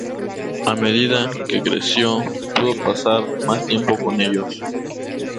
A medida que creció, pudo pasar más tiempo con ellos.